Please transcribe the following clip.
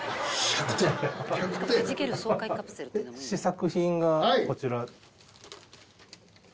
試作品がこちら。